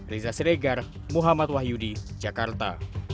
riza seregar muhammad wahyudi jakarta